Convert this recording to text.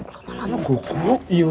lama lama gugup yu